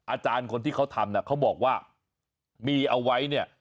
อาจารย์คนที่เขาทำเนี่ยเขาบอกว่ามีเอาไว้เนี่ย